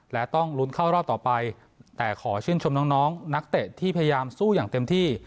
และต้องลุ้นเข้ารอบต่อไปแต่ขอชื่นชมน้องนักเตะที่พยายามสู้อย่างเต็มที่